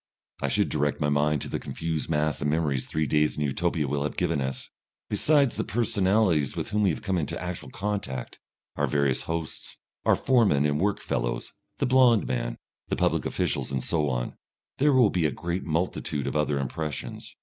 I should direct my mind to the confused mass of memories three days in Utopia will have given us. Besides the personalities with whom we have come into actual contact, our various hosts, our foreman and work fellows, the blond man, the public officials and so on, there will be a great multitude of other impressions.